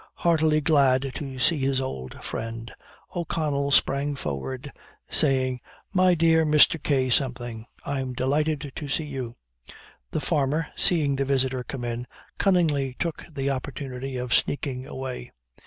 Heartily glad to see his old friend, O'Connell sprang forward, saying, "My dear K , I'm delighted to see you." The farmer, seeing the visitor come in, cunningly took the opportunity of sneaking away.